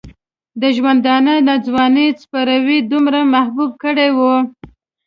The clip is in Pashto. د ژوندانه ناځوانه څپېړو دومره مجبور کړی و.